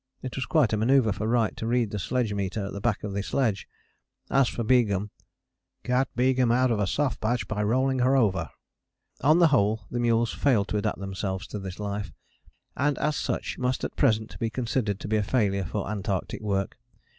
It was quite a manoeuvre for Wright to read the sledge meter at the back of the sledge. As for Begum: "Got Begum out of a soft patch by rolling her over." On the whole the mules failed to adapt themselves to this life, and as such must at present be considered to be a failure for Antarctic work.